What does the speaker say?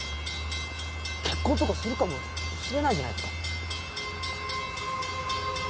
結婚とかするかもしれないじゃないですか。